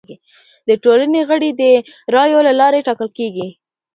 د ټولنې غړي د رایو له لارې ټاکل کیږي.